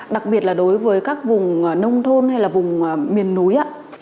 đặc biệt là đối với các vùng nông thôn hay là vùng miền núi